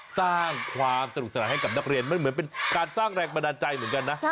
สร้างความสนุกสนานให้กับนักเรียนมันเหมือนเป็นการสร้างแรงบันดาลใจเหมือนกันนะ